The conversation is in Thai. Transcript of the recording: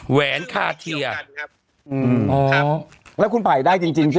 แหวนคาเทียแล้วคุณภัยได้จริงใช่ไหม